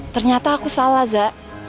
ternyata aku salah za